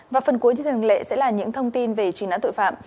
và phần cuối như thường lệ sẽ là những thông tin về truy nã tội phạm